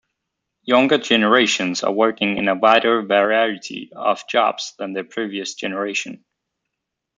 Younger generations are working in a wider variety of jobs than the previous generation.